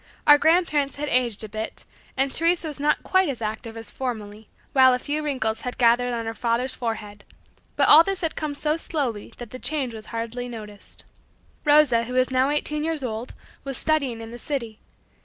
Our grandparents had aged a bit, and Teresa was not quite as active as formerly, while a few wrinkles had gathered on our father's forehead; but all this had come so slowly that the change was hardly noticed. Rosa, who was now eighteen years old, was studying in the city.